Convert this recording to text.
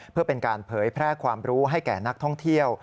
เพื่อเป็นการเผยแพร่ความรู้ให้แก่นักท่องเที่ยว